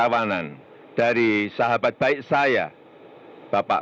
dan membangun indonesia yang lebih adil dan sejahtera